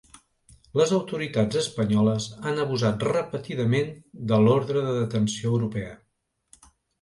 Les autoritats espanyoles han abusat repetidament de l’ordre de detenció europea.